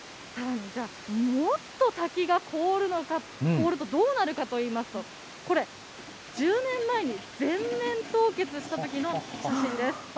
じゃあ、もっと滝が凍るとどうなるかといいますと、これ、１０年前に全面凍結したときの写真です。